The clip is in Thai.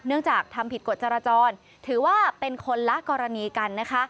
เนื่องจากทำผิดกฎจราจรถือว่าเป็นคนละกรณีกัน